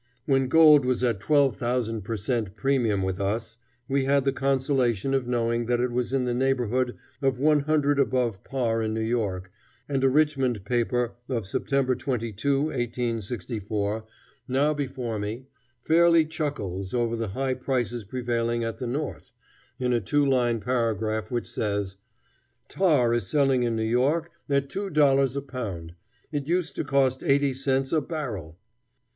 When gold was at twelve thousand per cent. premium with us, we had the consolation of knowing that it was in the neighborhood of one hundred above par in New York, and a Richmond paper of September 22, 1864, now before me, fairly chuckles over the high prices prevailing at the North, in a two line paragraph which says, "Tar is selling in New York at two dollars a pound. It used to cost eighty cents a barrel."